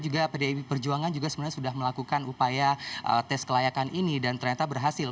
juga pdi perjuangan juga sebenarnya sudah melakukan upaya tes kelayakan ini dan ternyata berhasil